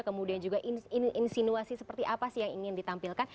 kemudian juga insinuasi seperti apa sih yang ingin ditampilkan